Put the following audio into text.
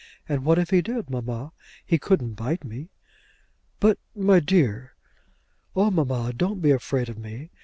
And what if he did, mamma? He couldn't bite me." "But my dear " "Oh mamma; don't be afraid of me."